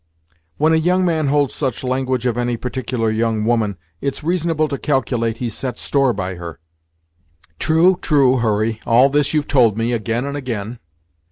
"When a young man holds such language of any particular young woman, it's reasonable to calculate he sets store by her." "True true, Hurry all this you've told me, again and again."